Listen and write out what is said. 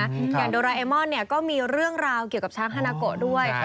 อย่างโดราเอมอนเนี่ยก็มีเรื่องราวเกี่ยวกับช้างฮานาโกะด้วย